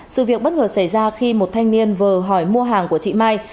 sự việc bất ngờ xảy ra khi một thanh niên vừa hỏi mua hàng của chị mai